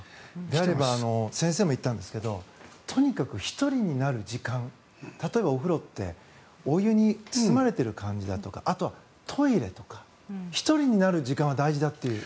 であれば先生も言っていたんですがとにかく１人になる時間例えばお風呂ってお湯に包まれてる感じだとかあとはトイレとか１人になる時間は大事だという。